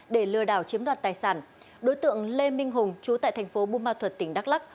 để lừa đảo chiếm đoạt tài sản đối tượng lê minh hùng chú tại thành phố bumathuật tỉnh đắk lắc